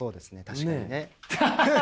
確かにね。